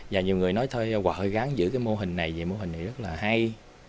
và nhiều người nói thôi hoà hơi gán giữ cái mô hình này mô hình này rất là hay